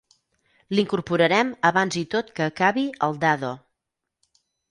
L'incorporarem abans i tot que acabi el Dado.